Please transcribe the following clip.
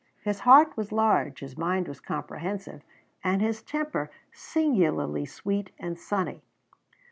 His heart was large, his mind was comprehensive, and his temper singularly sweet and sunny.